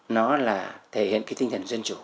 nó là thể hiện tinh thần dân chủ